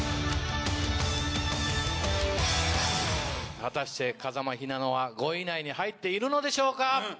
果たして風間ひなのは５位以内に入っているのでしょうか？